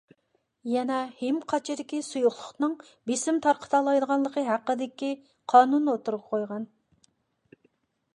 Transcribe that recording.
يەنە ھىم قاچىدىكى سۇيۇقلۇقنىڭ بېسىم تارقىتالايدىغانلىقى ھەققىدىكى قانۇننى ئوتتۇرىغا قويغان.